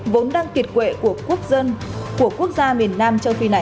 vốn đang kiệt quệ của quốc dân của quốc gia miền nam châu phi này